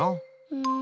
うん。